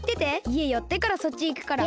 いえよってからそっちいくから。